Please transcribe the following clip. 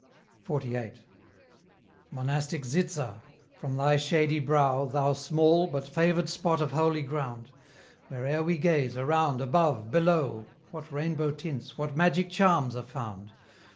XLVIII. Monastic Zitza! from thy shady brow, Thou small, but favoured spot of holy ground! Where'er we gaze, around, above, below, What rainbow tints, what magic charms are found!